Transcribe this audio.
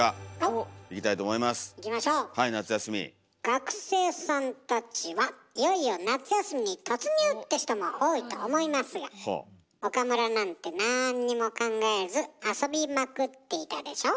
学生さんたちはいよいよ夏休みに突入！って人も多いと思いますが岡村なんてなんにも考えず遊びまくっていたでしょ？